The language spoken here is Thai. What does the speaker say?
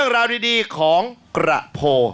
ราวดีของกระโพ